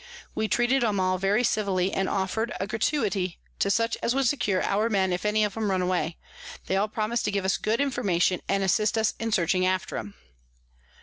We treated 'em all very civilly, and offer'd a Gratuity to such as would secure our Men if any of 'em run away: they all promis'd to give us good Information, and assist us in searching after 'em.